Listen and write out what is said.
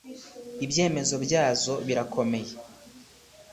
ibyemezo byazo birakomeye.